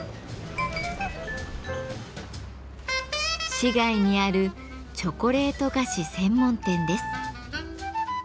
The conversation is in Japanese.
市街にあるチョコレート菓子専門店です。